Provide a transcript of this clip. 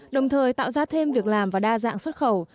đồng thời tạo ra thêm việc làm và đa dạng xuất khẩu